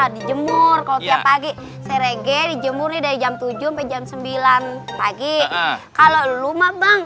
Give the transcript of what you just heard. dijemur kalau tiap pagi serege dijemur nih dari jam tujuh sampai jam sembilan pagi kalau rumah bang